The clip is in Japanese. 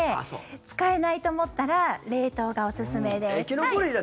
使えないと思ったら冷凍がおすすめです。